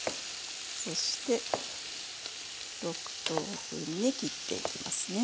そして６等分に切っていきますね。